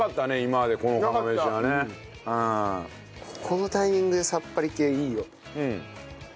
このタイミングでさっぱり系いいよ。